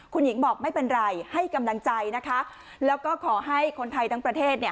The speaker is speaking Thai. คุณหญิงบอกไม่เป็นไรให้กำลังใจนะคะแล้วก็ขอให้คนไทยทั้งประเทศเนี่ย